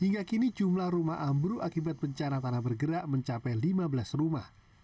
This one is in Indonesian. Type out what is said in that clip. hingga kini jumlah rumah ambruk akibat bencana tanah bergerak mencapai lima belas rumah